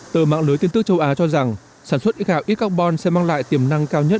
tờ mạng lưới tin tức châu á cho rằng sản xuất ít gạo ít carbon sẽ mang lại tiềm năng cao nhất